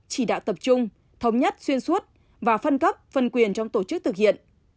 chỉ đạo tập trung thống nhất xuyên suốt và phân cấp phân quyền trong tổ chức thực hiện